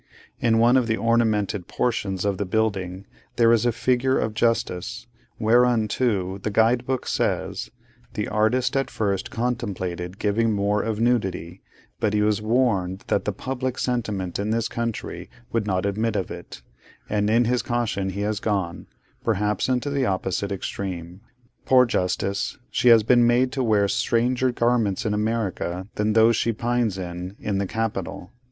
In one of the ornamented portions of the building, there is a figure of Justice; whereunto the Guide Book says, 'the artist at first contemplated giving more of nudity, but he was warned that the public sentiment in this country would not admit of it, and in his caution he has gone, perhaps, into the opposite extreme.' Poor Justice! she has been made to wear much stranger garments in America than those she pines in, in the Capitol.